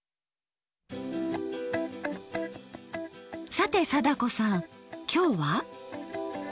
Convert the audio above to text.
さて貞子さんきょうは？